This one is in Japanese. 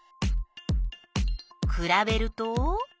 くらべると？